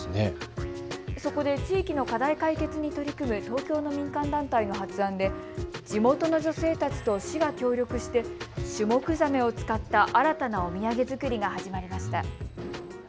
そこで地域の課題解決に取り組む東京の民間団体の発案で地元の女性たちと市が協力してシュモクザメを使った新たなお土産作りが始まりました。